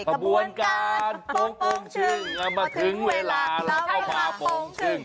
กระบวนกาลโป้งชึ่งเอามาถึงเวลาแล้วก็มาโป้งชึ่ง